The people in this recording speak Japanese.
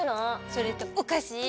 それとおかし！